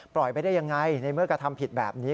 ไปได้ยังไงในเมื่อกระทำผิดแบบนี้